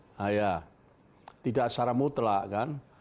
nah ya tidak secara mutlak kan